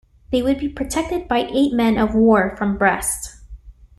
They would be protected by eight men-of-war from Brest.